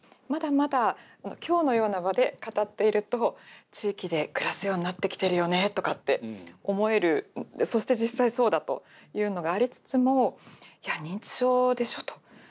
まだまだ今日のような場で語っていると地域で暮らすようになってきてるよねとかって思えるそして実際そうだというのがありつつもいや認知症でしょと。